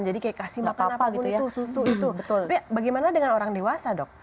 jadi kayak kasih makan apapun itu susu itu bagaimana dengan orang dewasa dok